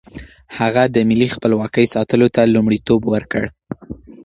هغه د ملي خپلواکۍ ساتلو ته لومړیتوب ورکړ.